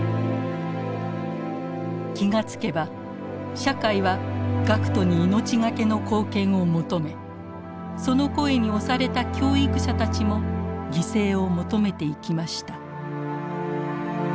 気が付けば社会は学徒に命懸けの貢献を求めその声に押された教育者たちも犠牲を求めていきました。